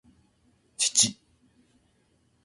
父